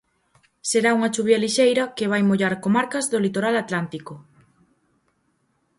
Será unha chuvia lixeira que vai mollar comarcas do litoral atlántico.